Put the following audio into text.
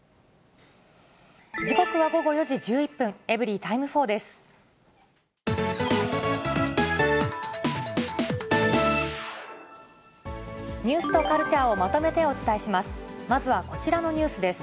時刻は午後４時１１分、エブリィタイム４です。